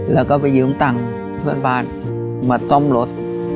แล้วก็ไปยืมตังค์เพื่อนบ้านมาซ่อมรถ